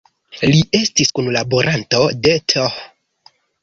Li estis kunlaboranto de Th.